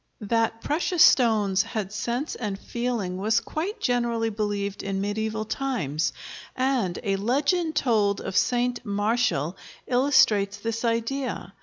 That precious stones had sense and feeling was quite generally believed in medieval times, and a legend told of St. Martial illustrates this idea.